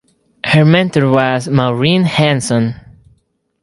Her mentor was Maureen Hanson.